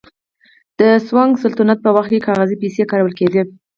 د سونګ سلطنت په وخت کې کاغذي پیسې کارول کېدې.